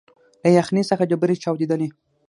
له یخنۍ څخه ډبري چاودېدلې